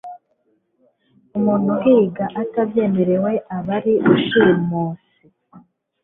Umuntu uhiga atabyemerewe aba ari rushimusi